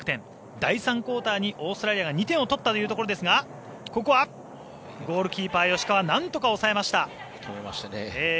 第３クオーターにオーストラリアが２点を取ったというところですがここはゴールキーパー、吉川止めましたね。